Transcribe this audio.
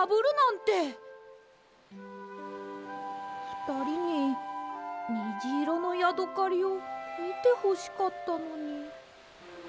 ふたりににじいろのヤドカリをみてほしかったのに。